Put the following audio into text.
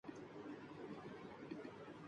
ادھر social media پر بھی یورپی لوگ پاغل ہوئے بیٹھے ہیں